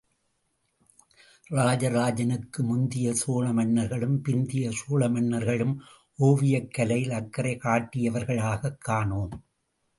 ராஜராஜனுக்கு முந்திய சோழ மன்னர்களும் பிந்திய சோழ மன்னர்களும் ஓவியக் கலையில் அக்கறை காட்டியவர்களாகக் காணோம்.